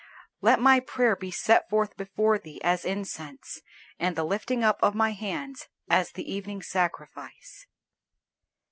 "LET MY PRAYER BE SET FORTH BEFORE THEE AS INCENSE: AND THE LIFTING UP OF MY HANDS AS THE EVENING SACRIFICE."